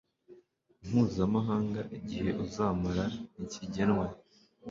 mpuzamahanga igihe uzamara ntikigenwe